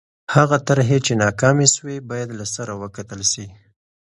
هغه طرحې چې ناکامې سوې باید له سره وکتل سي.